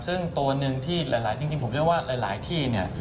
ซึ่งตัวหนึ่งที่หลายที่ผมเรียกว่าหลายที่